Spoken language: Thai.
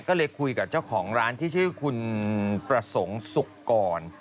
ก็เลยคุยกับเจ้าของร้านที่ชื่อคุณประสงค์สุกร